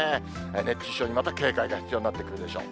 熱中症にまた警戒が必要になってくるでしょう。